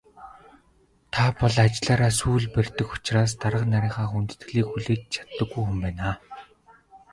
Та бол ажлаараа сүүл барьдаг учраас дарга нарынхаа хүндэтгэлийг хүлээж чаддаггүй хүн байна.